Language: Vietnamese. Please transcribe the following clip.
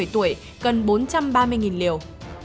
một mươi một một mươi bảy tuổi cần bốn trăm ba mươi liều